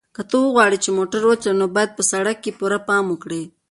که ته غواړې چې موټر وچلوې نو باید په سړک کې پوره پام وکړې.